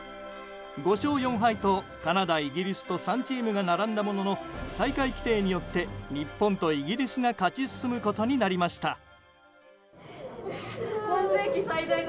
５勝４敗とカナダ、イギリスと３チームが並んだものの大会規定によって日本とイギリスが勝ち進むことになりました。